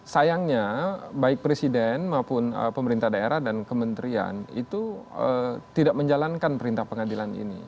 sayangnya baik presiden maupun pemerintah daerah dan kementerian itu tidak menjalankan perintah pengadilan ini